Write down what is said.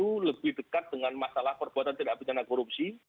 jadi kalau kita lebih dekat dengan masalah perbuatan tidak berjana korupsi